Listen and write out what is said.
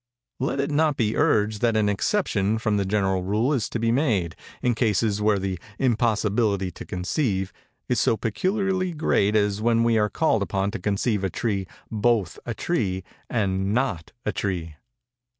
Let it not be urged that an exception from the general rule is to be made, in cases where the 'impossibility to conceive' is so peculiarly great as when we are called upon to conceive a tree both a tree and not a tree.